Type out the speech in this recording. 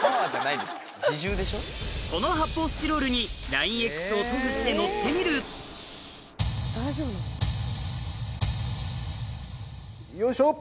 この発泡スチロールにＬＩＮＥ−Ｘを塗布して乗ってみるよいしょ！